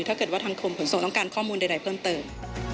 ถ้าเกิดว่าทางกรมขนส่งต้องการข้อมูลใดเพิ่มเติม